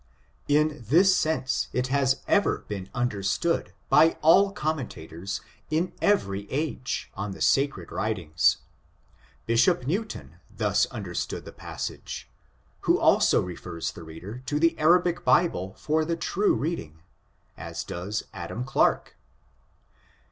In this sense it has ever been understood by all ^^^^•% 92 ORIGIN, CHARACTER| AND commentators, in every age, on the sacred writings. Bishop Newton thus understood the passage, who also refers the reader to the Arabic Bible for the true reading, as does Adam Clark.